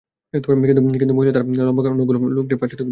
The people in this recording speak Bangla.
কিন্তু মহিলা তার লম্বা লম্বা নখগুলো লোকটির পার্শ্বদেশে ঢুকিয়ে দেয়।